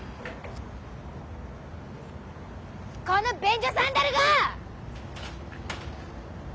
この便所サンダルが！